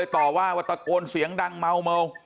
ตะโกนเสียงดังเมา